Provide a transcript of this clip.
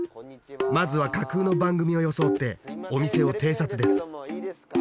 まずは架空の番組を装ってお店を偵察です